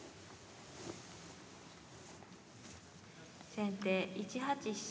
先手１八飛車。